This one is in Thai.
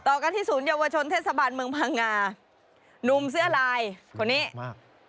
ต่อกันที่ศูนยวชนเทศบาลเมืองพังงานุ่มเสื้อลายคนนี้มาก